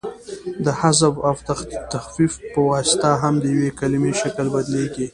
د حذف او تخفیف په واسطه هم د یوې کلیمې شکل بدلیږي.